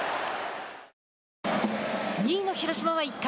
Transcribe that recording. ２位の広島は１回。